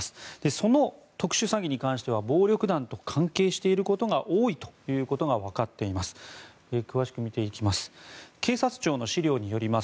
その特殊詐欺に関しては暴力団と関係していることが多いということがわかっています詳しく見ていきます。